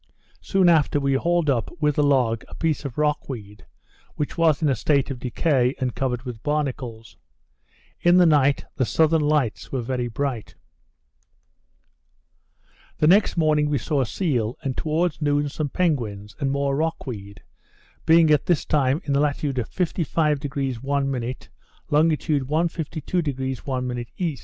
Soon after, we hauled up, with the log, a piece of rock weed, which was in a state of decay, and covered with barnacles. In the night the southern lights were very bright. The next morning we saw a seal; and towards noon, some penguins, and more rock weed, being at this time in the latitude of 55° 1', longitude 152° 1' E.